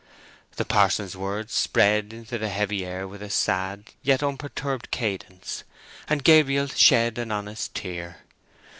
The parson's words spread into the heavy air with a sad yet unperturbed cadence, and Gabriel shed an honest tear.